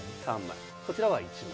こちらは１枚。